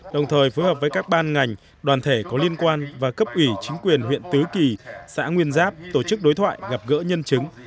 đồng thời phối hợp với các ban ngành đoàn thể có liên quan và cấp ủy chính quyền huyện tứ kỳ xã nguyên giáp tổ chức đối thoại gặp gỡ nhân chứng